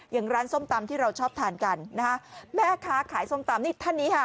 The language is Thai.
อย่างร้านส้มตำที่เราชอบทานกันนะคะแม่ค้าขายส้มตำนี่ท่านนี้ค่ะ